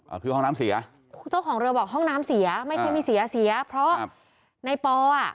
อ่าคือห้องน้ำเสียเจ้าของเรือบอกห้องน้ำเสียไม่ใช่มีเสียเสียเพราะครับในปออ่ะ